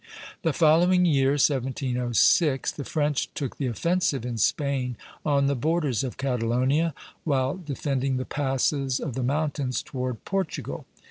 The following year, 1706, the French took the offensive in Spain on the borders of Catalonia, while defending the passes of the mountains toward Portugal.